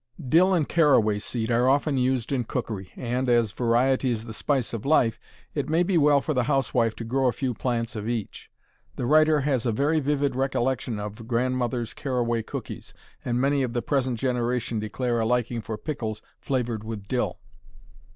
Dill and caraway seed are often used in cookery, and, as "variety is the spice of life," it may be well for the housewife to grow a few plants of each. The writer has a very vivid recollection of grandmother's caraway cookies, and many of the present generation declare a liking for pickles flavored with dill.